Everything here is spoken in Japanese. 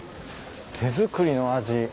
「手造りの味